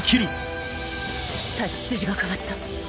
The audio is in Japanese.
太刀筋が変わった